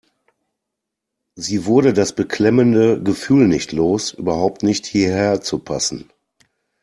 Sie wurde das beklemmende Gefühl nicht los, überhaupt nicht hierher zu passen.